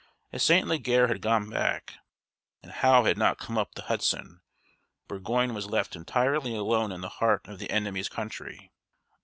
As St. Leger had gone back, and Howe had not come up the Hudson, Burgoyne was left entirely alone in the heart of the enemy's country.